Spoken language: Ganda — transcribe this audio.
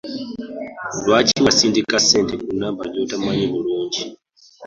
Lwaki wasindika ssente ku namba gy'otamanyi bulungi?